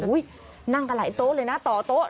นั่งกันหลายโต๊ะเลยนะต่อโต๊ะ